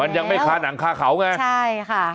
มันยังไม่ถามเขาไงใช่ค่ะ